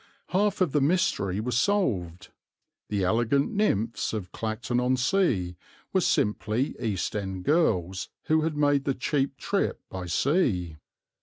Half of the mystery was solved. The elegant nymphs of Clacton on Sea were simply East End girls who had made the cheap trip by sea.